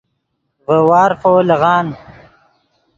ڤے وارفو لیغان